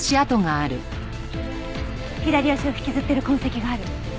左足を引きずってる痕跡がある。